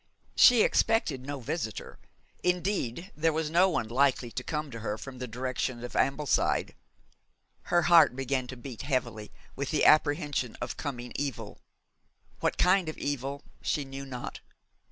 She expected no visitor; indeed, there was no one likely to come to her from the direction of Ambleside. Her heart began to beat heavily, with the apprehension of coming evil. What kind of evil she knew not.